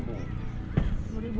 satu kumpunya rp sepuluh